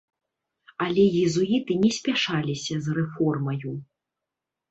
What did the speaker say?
Але езуіты не спяшаліся з рэформаю.